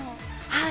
はい！